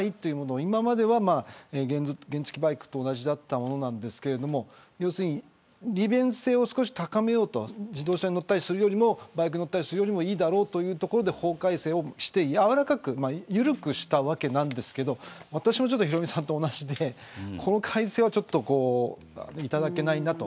今までは原付バイクと同じだったものなんですけど要するに利便性を少し高めようと自動車に乗ったりするよりもバイク乗ったりするよりもいいだろうというところで法改正をして緩くしたわけなんですけど私もヒロミさんと同じでこの改正はいただけないなと。